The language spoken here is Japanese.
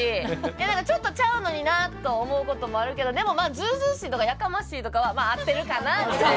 だからちょっとちゃうのになあと思うこともあるけどでもまあずうずうしいとかやかましいとかはまあ合ってるかなあみたいな。